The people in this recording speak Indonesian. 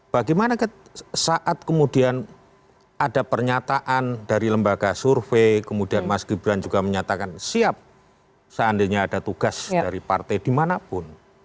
bagaimana saat kemudian ada pernyataan dari lembaga survei kemudian mas gibran juga menyatakan siap seandainya ada tugas dari partai dimanapun